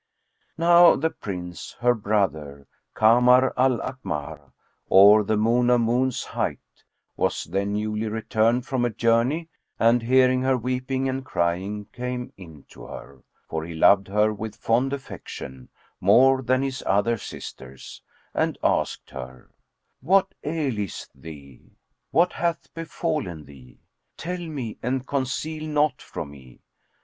Now the Prince, her brother, Kamar al Akmαr, or the Moon of Moons hight, was then newly returned from a journey and, hearing her weeping and crying came in to her (for he loved her with fond affection, more than his other sisters) and asked her, "What aileth thee? What hath befallen thee? Tell me and conceal naught from me."